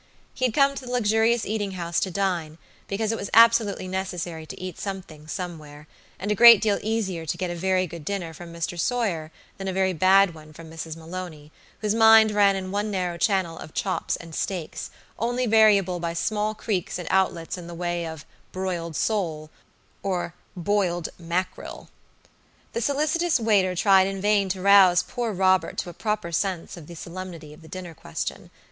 He had come to the luxurious eating house to dine, because it was absolutely necessary to eat something somewhere, and a great deal easier to get a very good dinner from Mr. Sawyer than a very bad one from Mrs. Maloney, whose mind ran in one narrow channel of chops and steaks, only variable by small creeks and outlets in the way of "broiled sole" or "boiled mack' rill." The solicitous waiter tried in vain to rouse poor Robert to a proper sense of the solemnity of the dinner question.